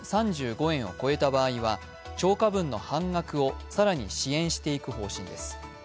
３５円を超えた場合は超過分の半額を更に支援していく方針です。